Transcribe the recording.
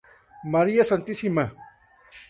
María Stma.